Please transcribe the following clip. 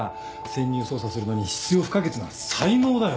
潜入捜査するのに必要不可欠な才能だよ。